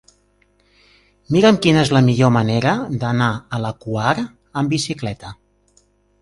Mira'm quina és la millor manera d'anar a la Quar amb bicicleta.